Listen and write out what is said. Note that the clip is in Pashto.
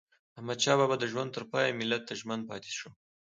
احمدشاه بابا د ژوند تر پایه ملت ته ژمن پاته سو.